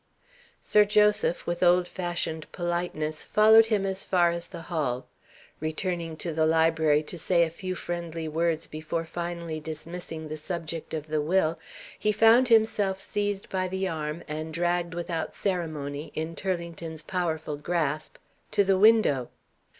Sir Joseph, with old fashioned politeness, followed him as far as the hall. Returning to the library to say a few friendly words before finally dismissing the subject of the Will, he found himself seized by the arm, and dragged without ceremony, in Turlington's powerful grasp, to the window.